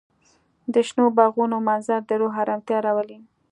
د شنو باغونو منظر د روح ارامتیا راولي.